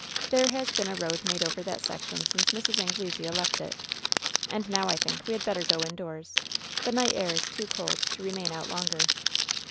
There has been a road made over that section since Mrs. Anglesea left it. And, now I think, we had better go indoors. The night air is too cold to remain out longer."